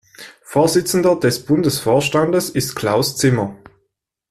Vorsitzender des Bundesvorstandes ist Klaus Zimmer.